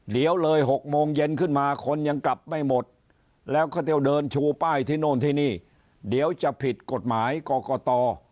เดี๋ยวเลย๖โมงเย็นขึ้นมาคนยังกลับไม่หมดแล้วก็จะเดินชูป้ายที่โน่นที่นี่เดี๋ยวจะผิดกฎหมายกรกต